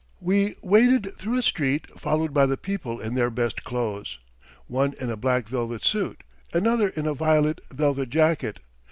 We waded through a street, followed by the people in their best clothes one in a black velvet suit, another in a violet velvet jacket.